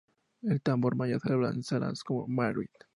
El Tambor Mayor se abalanza sobre Marie.